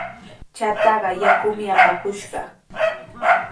Chataqa yakumi apakushqa.